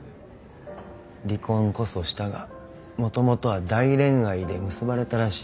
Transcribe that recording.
離婚こそしたがもともとは大恋愛で結ばれたらしい。